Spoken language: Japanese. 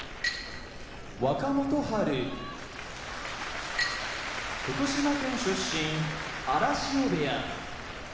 若元春福島県出身荒汐部屋